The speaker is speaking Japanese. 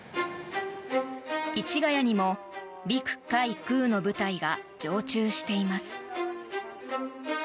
市ヶ谷にも陸海空の部隊が常駐しています。